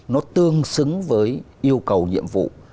nó tương xứng với yêu cầu nhiệm vụ